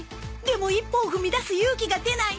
でも一歩を踏み出す勇気が出ない。